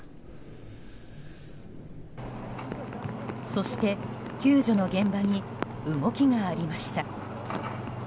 そして救助の現場に動きがありました。